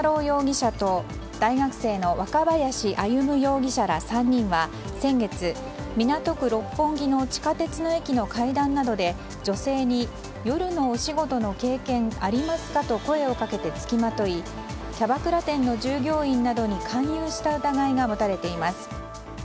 容疑者と大学生の若林歩容疑者ら３人は先月、港区六本木の地下鉄の駅の階段などで女性に夜のお仕事の経験ありますかと声をかけて付きまといキャバクラ店の従業員などに勧誘した疑いが持たれています。